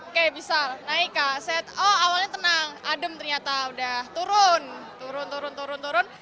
oke bisa naik set awalnya tenang adem ternyata udah turun turun turun turun turun